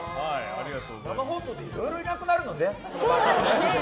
生放送っていろいろいなくなるのね。